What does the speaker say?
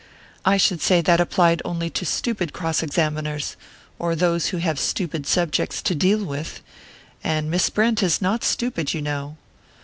"I should say that applied only to stupid cross examiners; or to those who have stupid subjects to deal with. And Miss Brent is not stupid, you know."